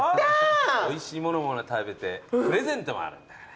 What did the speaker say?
おいしい物も食べてプレゼントもあるんだから。